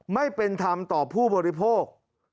ไม่เป็นธรรมต่อผู้บริโภค